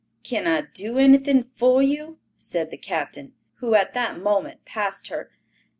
"Can I do anything for you?" said the captain, who at that moment passed her.